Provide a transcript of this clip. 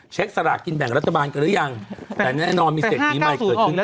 สลากกินแบ่งรัฐบาลกันหรือยังแต่แน่นอนมีเศรษฐีใหม่เกิดขึ้น